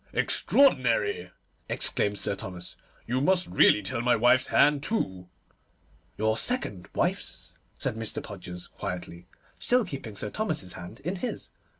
'Extraordinary!' exclaimed Sir Thomas; 'you must really tell my wife's hand, too.' 'Your second wife's,' said Mr. Podgers quietly, still keeping Sir Thomas's hand in his.